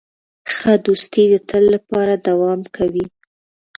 ښه دوستي د تل لپاره دوام کوي.